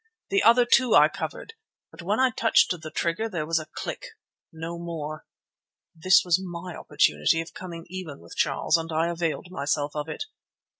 The other, too, I covered, but when I touched the trigger there was a click, no more. This was my opportunity of coming even with Charles, and I availed myself of it.